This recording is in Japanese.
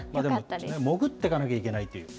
でも、潜っていかなきゃいけないという。